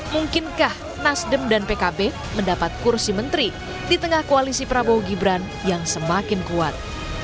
mungkinkah nasdem dan pkb mendapat kursi menteri di tengah koalisi prabowo gibran yang semakin kuat